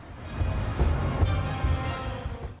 โรงพักษณ์